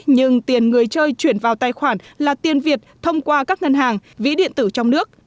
nhưng tiền người chơi chuyển vào tài khoản là tiền việt thông qua các ngân hàng vĩ điện tử trong nước